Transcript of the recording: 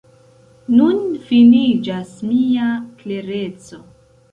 Nun finiĝas mia klereco.